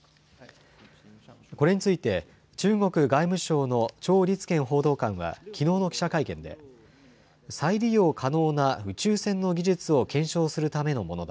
これについて、中国外務省の趙立堅報道官はきのうの記者会見で、再利用可能な宇宙船の技術を検証するためのものだ。